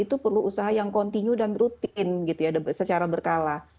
usaha yang kontinu dan rutin gitu ya secara berkala